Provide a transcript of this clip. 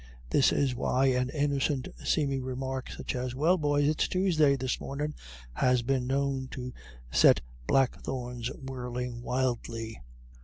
This is why an innocent seeming remark such as, "Well, boys, it's Tuesday this mornin'," has been known to set blackthorns whirling wildly.